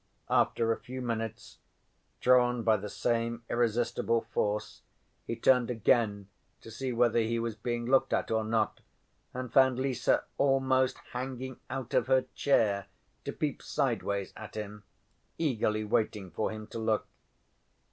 After a few minutes, drawn by the same irresistible force, he turned again to see whether he was being looked at or not, and found Lise almost hanging out of her chair to peep sideways at him, eagerly waiting for him to look.